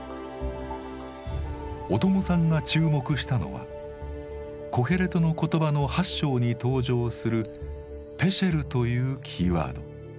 小友さんが注目したのは「コヘレトの言葉」の８章に登場する「ぺシェル」というキーワード。